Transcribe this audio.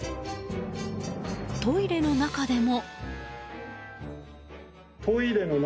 トイレの中でも。